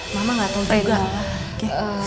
mama gak tau juga lah